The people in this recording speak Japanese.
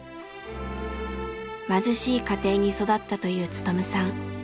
貧しい家庭に育ったという勉さん。